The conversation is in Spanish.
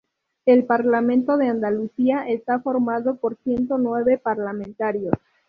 El Parlamento de Andalucía está formado por ciento nueve parlamentarios.